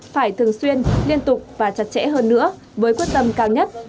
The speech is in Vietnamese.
phải thường xuyên liên tục và chặt chẽ hơn nữa với quyết tâm cao nhất